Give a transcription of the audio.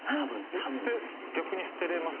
逆に捨てれます？